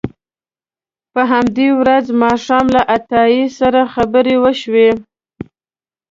په همدې ورځ ماښام له عطایي سره خبرې وشوې.